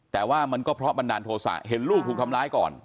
แต่ว่ามันก็เพราะบันดาลโทษะเห็นลูกถูกทำร้ายก่อน